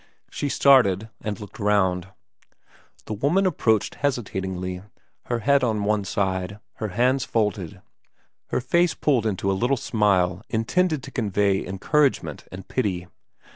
She started and looked round. The woman approached hesitatingly, her head on one side, her hands folded, her face pulled into a little smile intended to convey encouragement and pity.